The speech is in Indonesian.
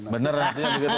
benar hatinya begitu